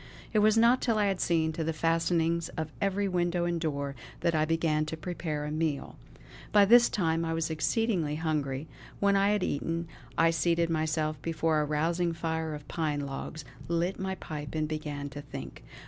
It was not till I had seen to the fastenings of every window and door, that I began to prepare a meal. By this time I was exceedingly hungry; when I had eaten I seated myself before a rousing fire of pine logs, lit my pipe, and began to think.